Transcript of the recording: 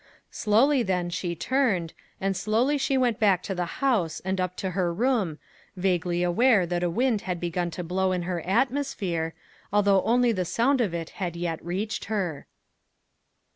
Slowly, then, she turned, and slowly she went back to the house and up to her room, vaguely aware that a wind had begun to blow in her atmosphere, although only the sound of it had yet reached her.